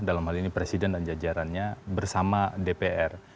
dalam hal ini presiden dan jajarannya bersama dpr